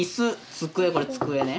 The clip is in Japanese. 机これ机ね。